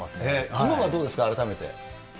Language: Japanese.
今はどうですか、改めて。